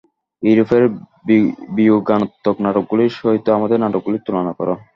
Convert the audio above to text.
ইউরোপের বিয়োগান্তক নাটকগুলির সহিত আমাদের নাটকগুলির তুলনা কর।